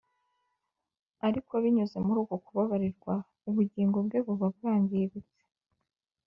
ariko binyuze muri uko kubabarirwa, ubugingo bwe buba bwangiritse